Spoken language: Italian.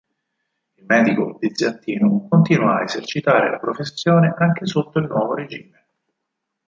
Il medico bizantino continua a esercitare la professione anche sotto il nuovo regime.